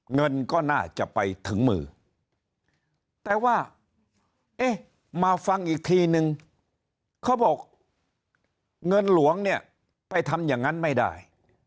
เงินก็น่าจะไปถึงมือแต่ว่าเอ๊ะมาฟังอีกทีนึงเขาบอกเงินหลวงเนี่ยไปทำอย่างนั้นไม่ได้